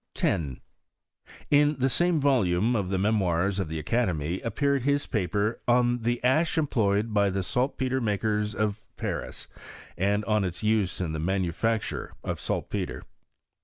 10. In the same volume of the Memoh's of the Academy, appeared his paper " On the Ash em ployed by the Saltpetre makers of Paris, and on its use in the Manufacture of Saltpetre."